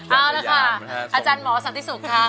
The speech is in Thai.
เอาละค่ะอาจารย์หมอสันติสุขค่ะ